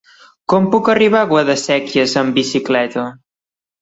Com puc arribar a Guadasséquies amb bicicleta?